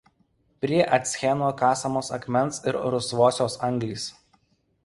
Prie Acheno kasamos akmens ir rusvosios anglys.